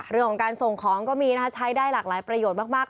เรื่องของการส่งของก็มีนะคะใช้ได้หลากหลายประโยชน์มาก